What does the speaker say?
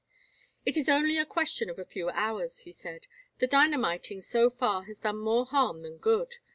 "It is only a question of a few hours," he said. "The dynamiting so far has done more harm than good.